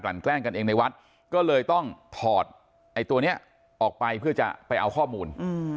แกล้งกันเองในวัดก็เลยต้องถอดไอ้ตัวนี้ออกไปเพื่อจะไปเอาข้อมูล